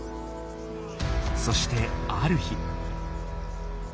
そしてある日。